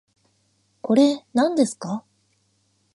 これ、なんですか